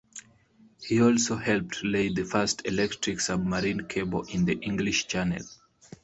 He also helped lay the first electric submarine cable in the English Channel.